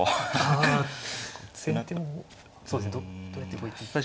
あ先手もそうですねどうやって動いていいか。